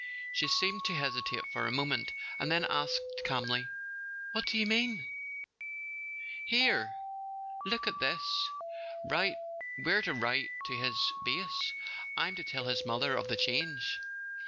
She seemed to hesitate for a moment, and then asked calmly: " What do you mean ?" "Here—look at this. We're to write to his base. I'm to tell his mother of the change."